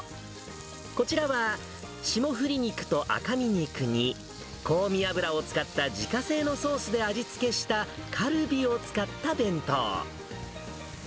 こちらは霜降り肉と赤身肉に、香味油を使った自家製のソースで味付けしたカルビを使った弁当。